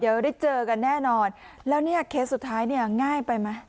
เดี๋ยวได้เจอกันแน่นอนแล้วเนี่ยเคสสุดท้ายเนี่ยง่ายไปไหม